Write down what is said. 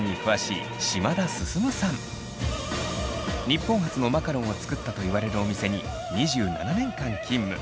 日本初のマカロンを作ったといわれるお店に２７年間勤務。